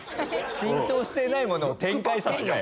浸透してないものを展開さすなよ。